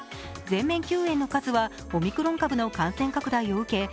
全面休園の数はオミクロン株の感染拡大を受け